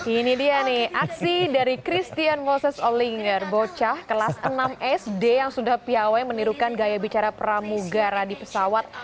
ini dia nih aksi dari christian moses olinger bocah kelas enam sd yang sudah piawai menirukan gaya bicara pramugara di pesawat